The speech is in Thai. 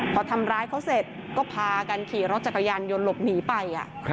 พอทำร้ายเขาเสร็จก็พากันขี่รถจักรยานยนต์หลบหนีไป